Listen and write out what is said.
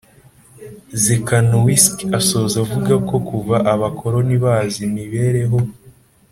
Czekanowski asoza avuga ko kuva abakoroni baza imibereho